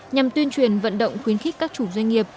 nhằm tuyên truyền vận động khuyến khích các chủ doanh nghiệp